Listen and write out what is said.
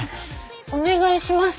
お願いします！